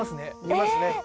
見ますね。